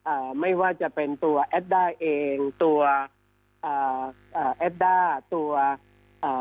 อ่าไม่ว่าจะเป็นตัวแอดด้าเองตัวอ่าอ่าแอดด้าตัวอ่า